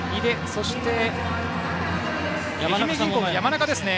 そして、愛媛銀行の山中ですね。